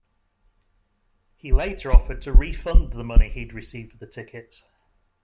He later offered to refund the money he received for the tickets.